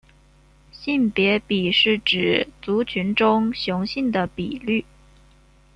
性别比是指族群中雄性的比率。